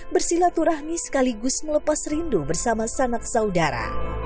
bersilaturahmi sekaligus melepas rindu bersama sanak saudara